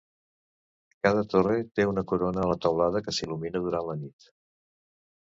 Cada torre té una corona a la teulada que s"il·lumina durant la nit.